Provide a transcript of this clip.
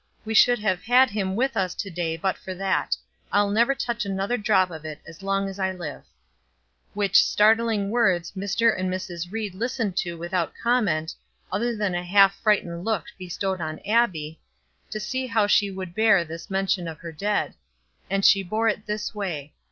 We should have had him with us to day but for that. I'll never touch another drop of it as long as I live." Which startling words Mr. and Mrs. Ried listened to without comment, other than a half frightened look bestowed on Abbie, to see how she would bear this mention of her dead; and she bore it this way.